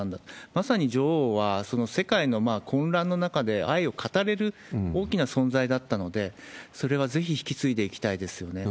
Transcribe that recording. まさに女王はその世界の混乱の中で愛を語れる大きな存在だったので、それはぜひ引き継いでいきたいですよね。